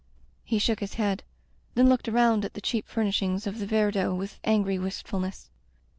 He shook his head, then looked around at the cheap furnishings of the Viardot with angry wistfulness.